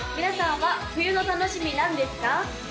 皆さんは冬の楽しみ何ですか？